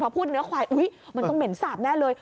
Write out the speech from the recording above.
พอพูดเนื้อควายอุ๊ยมันต้องเหม็นสาบแน่เลย